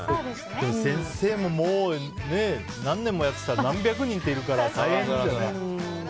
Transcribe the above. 先生も、もう何年もやってたら何百人っているから。